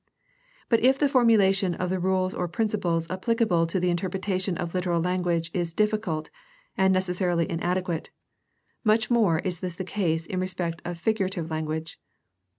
But if the formulation of rules or principles appUcable to the interpretation of literal language is difficult and necessarily inadequate, much more is this the case in respect to figurative language.